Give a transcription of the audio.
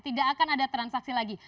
tidak akan ada transaksi lagi